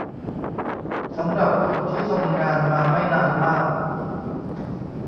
สำหรับคนที่ทำงานมาไม่นานมาก